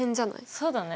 そうだね。